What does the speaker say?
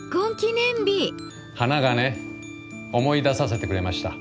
花がね思い出させてくれました。